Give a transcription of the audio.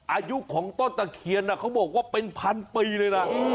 อายุของต้นตะเคียนเขาบอกว่าเป็นพันปีเลยนะ